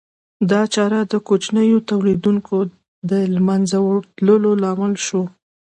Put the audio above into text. دا چاره د کوچنیو تولیدونکو د له منځه تلو لامل شوه